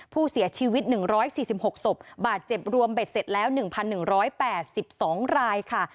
ผู้เสียชีวิต๑๔๖ศพบาดเจ็บรวมเบ็ดเสร็จแล้ว๑๑๘๒รายค่ะ